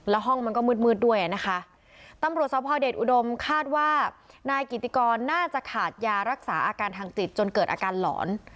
แล้วห้องมันก็มืดมืดด้วยนะคะตำรวจสภเดชอุดมคาดว่านายกิติกรน่าจะขาดยารักษาอาการทางจิตจนเกิดอาการหลอน